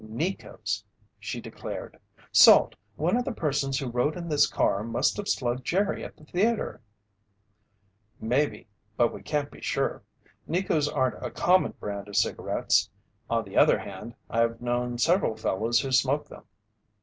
"Necos," she declared. "Salt, one of the persons who rode in this car must have slugged Jerry at the theater!" "Maybe, but we can't be sure. Necos aren't a common brand of cigarettes. On the other hand, I've known several fellows who smoke them."